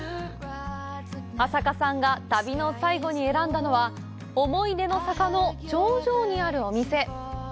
朝加さんが旅の最後に選んだのは思い出の坂の頂上にあるお店。